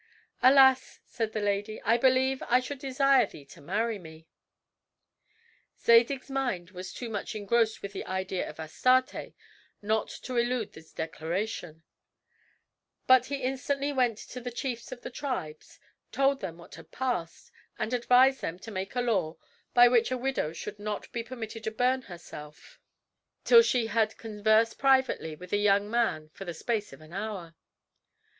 "Alas!" said the lady, "I believe I should desire thee to marry me." Zadig's mind was too much engrossed with the idea of Astarte not to elude this declaration; but he instantly went to the chiefs of the tribes, told them what had passed, and advised them to make a law, by which a widow should not be permitted to burn herself till she had conversed privately with a young man for the space of an hour.